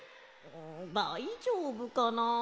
だいじょうぶかな？